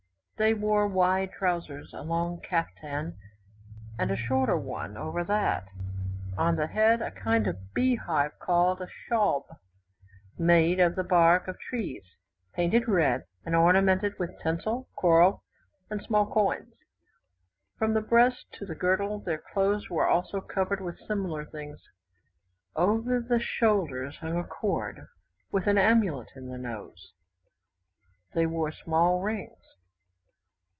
They wore wide trousers, a long kaftan, and a shorter one over that; on the head a kind of bee hive, called schaube, made of the bark of trees, painted red and ornamented with tinsel, coral, and small coins. From the breast to the girdle their clothes were also covered with similar things, over the shoulders hung a cord with an amulet in the nose, they wore small rings.